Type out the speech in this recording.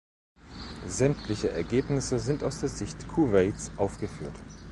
Sämtliche Ergebnisse sind aus der Sicht Kuwaits aufgeführt.